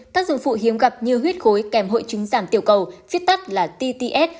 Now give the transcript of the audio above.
tác dụng phụ hiếm gặp như huyết khối kèm hội chứng giảm tiểu cầu viết tắt là tts